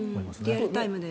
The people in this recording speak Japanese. リアルタイムで。